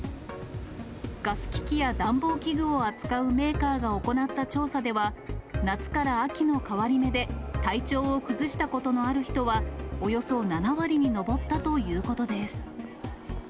ガス機器や暖房機器を扱うメーカーが行った調査では、夏から秋の変わり目で体調を崩したことのある人はおよそ７割に上ったということです。